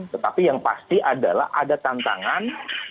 tetapi yang pasti adalah ada tantangan